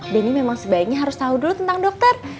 denny memang sebaiknya harus tahu dulu tentang dokter